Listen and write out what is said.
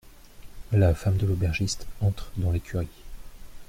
La femme de l'aubergiste entre dans l'écurie.